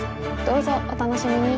どうぞお楽しみに！